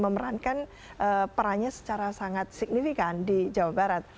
memerankan perannya secara sangat signifikan di jawa barat